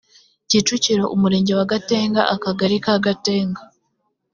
kicukiro umurenge wa gatenga akagali ka gatenga